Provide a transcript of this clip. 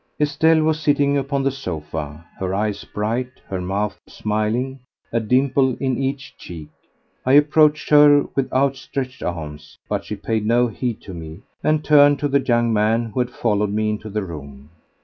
Estelle was sitting upon the sofa, her eyes bright, her mouth smiling, a dimple in each cheek. I approached her with outstretched arms, but she paid no heed to me, and turned to the young man, who had followed me into the room.